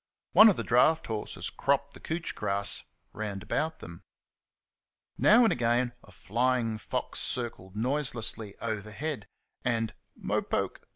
One of the draught horses cropped the couch grass round about them. Now and again a flying fox circled noiselessly overhead, and "MOPOKE!